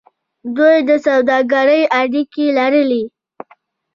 دوی د سوداګرۍ اړیکې لرلې.